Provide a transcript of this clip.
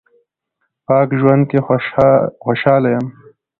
پاک ژوند کې خوشاله یم